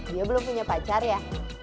dia belum punya pacar ya